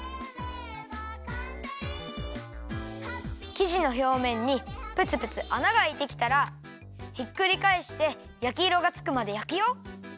きじのひょうめんにプツプツあながあいてきたらひっくりかえしてやきいろがつくまでやくよ。